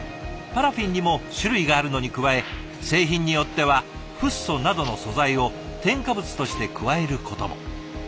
パラフィンにも種類があるのに加え製品によってはフッ素などの素材を添加物として加えることも。